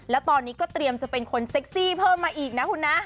แล้วตอนนี้ก็เตรียมจะเป็นคนเซ็กซี่เพิ่มมาอีกนะคุณนะ